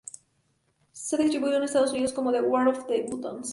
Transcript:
Se ha distribuido en Estados Unidos como "The War of the Buttons".